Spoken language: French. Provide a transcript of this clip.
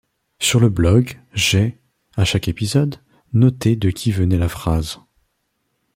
Sur le blog, j’ai — à chaque épisode — noté de qui venait la phrase.